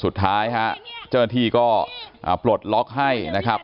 สุดท้ายฮะเจ้าหน้าที่ก็ปลดล็อกให้นะครับ